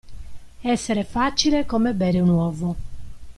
Essere facile come bere un uovo.